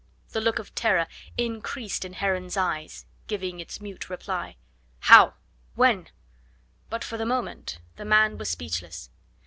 The look of terror increased in Heron's eyes, giving its mute reply. "How? When?" But for the moment the man was speechless.